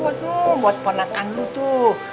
buatmu buat ponakan lu tuh